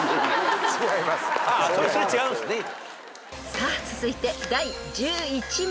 ［さあ続いて第１１問］